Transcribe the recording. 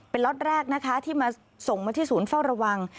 เป็นล็อตแรกนะคะที่มาส่งมาที่ศูนย์เฝ้าระวัง